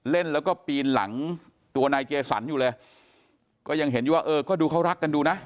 เล่นแล้วก็ปีนหลังตัวนายเจสันอยู่เลยก็ยังเห็นอยู่ว่าเออก็ดูเขารักกันดูนะ